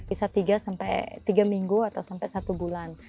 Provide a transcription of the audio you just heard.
bisa tiga minggu atau sampai satu bulan